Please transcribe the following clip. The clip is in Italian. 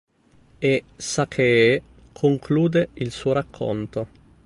E Sakee conclude il suo racconto.